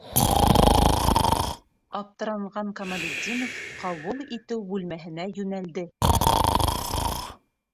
Аптыранған Камалетдинов ҡабул итеү бүлмәһенә йүнәлде: